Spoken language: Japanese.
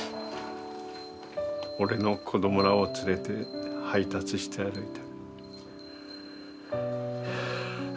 俺の子どもらを連れて配達して歩いた。